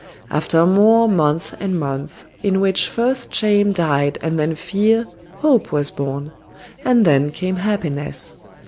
After more months and months, in which first shame died and then fear, hope was born. And then came happiness.